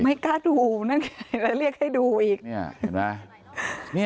เห็นไหม